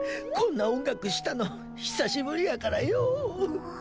こんな音楽したの久しぶりやからよ。